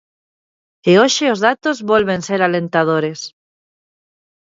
E hoxe os datos volven ser alentadores.